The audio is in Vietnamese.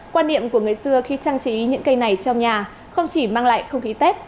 quan niệm của người xưa khi trang trí những cây này trong nhà không chỉ mang lại không khí tết